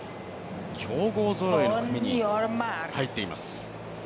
強豪ぞろいの組に入っています。